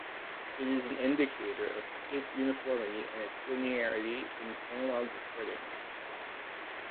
It is an indicator of tape uniformity and its linearity in analogue recording.